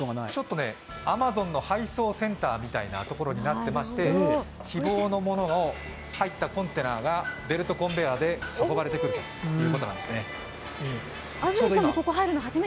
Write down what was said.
Ａｍａｚｏｎの配送センターみたいなところになっていまして希望のものが入ったコンテナがベルトコンベアで運ばれてくるんです。